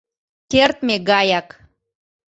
— Кертме гаяк...